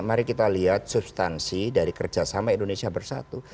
mari kita lihat substansi dari kerjasama indonesia bersatu